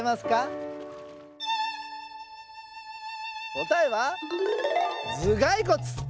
こたえはずがいこつ！